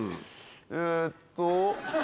えっと？